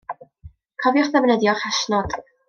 Cofiwch ddefnyddio'r hashnod.